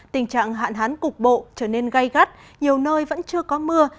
tình trạng hạn hán cục bộ trở nên gây gắt nhiều nơi vẫn chưa có mưa